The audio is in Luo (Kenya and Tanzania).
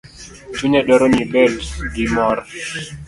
Chunya dwaro ni ibed gi mor